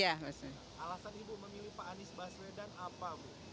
alasan ibu memilih pak anies baswedan apa bu